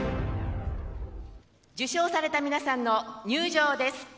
受賞された皆さんの入場です。